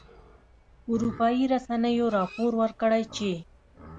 اروپایي رسنیو راپور ورکړی چې